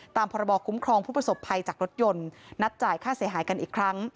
พรบคุ้มครองผู้ประสบภัยจากรถยนต์นัดจ่ายค่าเสียหายกันอีกครั้ง